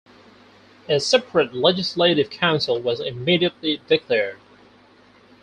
A separate legislative council was immediately declared.